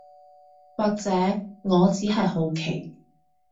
或者我只係好奇